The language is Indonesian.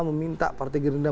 meminta partai gerindra